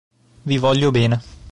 Vi voglio bene".